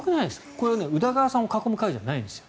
これは宇田川さんを囲む会じゃないんですよ